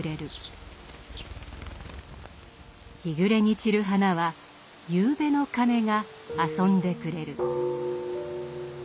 日暮れに散る花は夕べの鐘が遊んでくれる。